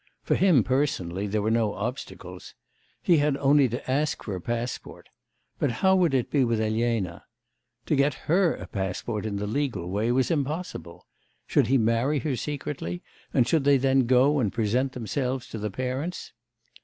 For him personally there were no obstacles. He had only to ask for a passport but how would it be with Elena? To get her a passport in the legal way was impossible. Should he marry her secretly, and should they then go and present themselves to the parents?...